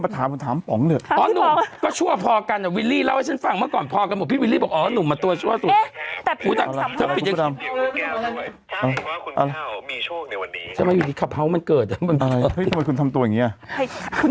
วันนี้เขาอุศักดิ์ขัดอ่างเตียน